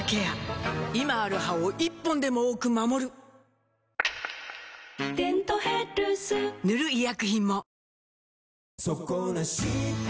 今ある歯を１本でも多く守る「デントヘルス」塗る医薬品も